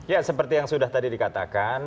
ya seperti yang sudah tadi dikatakan